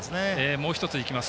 もう１ついきます。